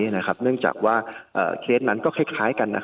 เนื่องจากว่าเคสนั้นก็คล้ายกัน